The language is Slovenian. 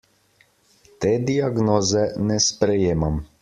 Te diagnoze ne sprejemam.